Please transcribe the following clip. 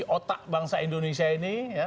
otak bangsa indonesia ini